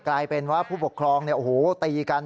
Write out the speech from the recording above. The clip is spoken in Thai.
กลายเป็นว่าผู้ปกครองตีกัน